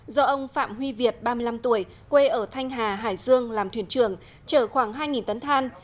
do ông phạm huy việt ba mươi năm tuổi quê ở thanh hà hải dương làm thuyền trưởng chở khoảng hai tấn than